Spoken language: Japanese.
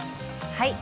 はい。